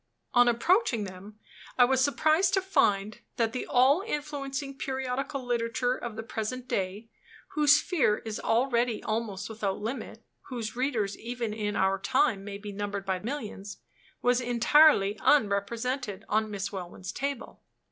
On approaching them, I was surprised to find that the all influencing periodical literature of the present day whose sphere is already almost without limit; whose readers, even in our time, may be numbered by millions was entirely unrepresented on Miss Welwyn's table.